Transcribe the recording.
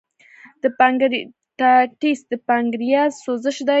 د پانکریاتایټس د پانکریاس سوزش دی.